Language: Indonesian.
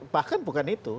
bahkan bukan itu